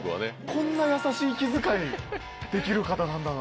こんな優しい気遣いできる方なんだな。